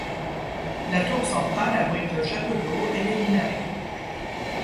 La tour centrale abrite le château d'eau et les dynamos.